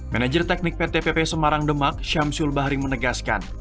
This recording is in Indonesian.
manager teknik pt pp semarang demak syamsul bahri menegaskan